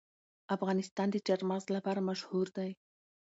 افغانستان د چار مغز لپاره مشهور دی.